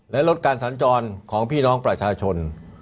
และลดการสัญจรของพี่น้องประชาชน